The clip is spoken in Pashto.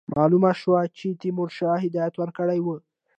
معلومه شوه چې تیمورشاه هدایت ورکړی وو.